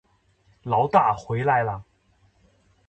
牢大回来了